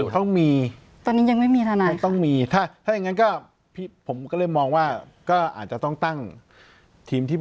ต้องหาธนายไปช่วยเขาไหมเนี่ย